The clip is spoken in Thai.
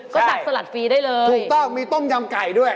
ก็ตักสลัดฟรีได้เลยถูกต้องมีต้มยำไก่ด้วย